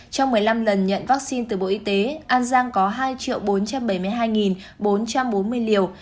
trong một mươi năm lần nhận vaccine từ bộ y tế an giang có hai bốn trăm bảy mươi hai bốn trăm bốn mươi liều